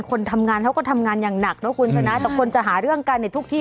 คนทำงานเขาก็ทำงานอย่างหนักนะคุณชนะแต่คนจะหาเรื่องกันในทุกที่